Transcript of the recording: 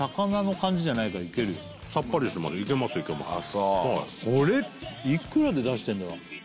そうこれいくらで出してんだろう